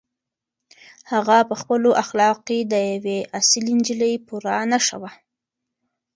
هغه په خپلو اخلاقو کې د یوې اصیلې نجلۍ پوره نښه وه.